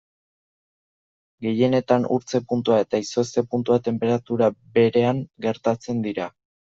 Gehienetan, urtze-puntua eta izozte-puntua tenperatura berean gertatzen dira.